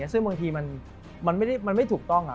ซึ่งบางทีมันไม่ถูกต้อง